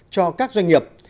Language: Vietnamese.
cho các doanh nghiệp